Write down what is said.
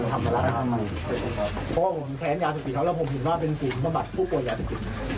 เพราะว่าผมแขนยาสติแล้วผมถึงว่าเป็นกลุ่มประบัติผู้ป่วยยาสติกิจ